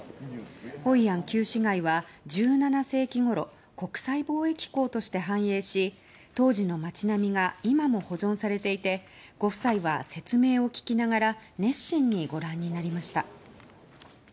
ホイアン旧市街は、１７世紀ごろ国際貿易港として繁栄し当時の街並みが今も保存されていてご夫妻は説明を聞きながら熱心にご覧になりました。